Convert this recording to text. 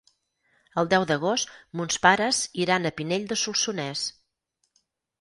El deu d'agost mons pares iran a Pinell de Solsonès.